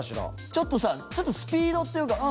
ちょっとさちょっとスピードというか。